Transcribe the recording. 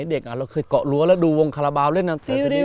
เราก็เคยเกาะรั้วแล้วดูวงคาราบาลเล่นนั่น